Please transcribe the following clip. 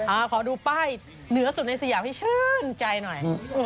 ขอดูป้ายเหนือสุดในสยามให้ชื่นใจหน่อย